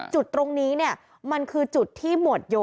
จุดตรงนี้เนี่ยมันคือจุดที่หมวดโย